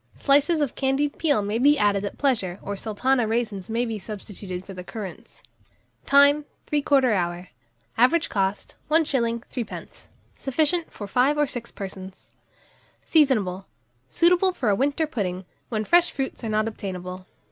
Slices of candied peel may be added at pleasure, or Sultana raisins may be substituted for the currants. Time. 3/4 hour. Average cost, 1s. 3d. Sufficient for 5 or 6 persons. Seasonable. Suitable for a winter pudding, when fresh fruits are not obtainable.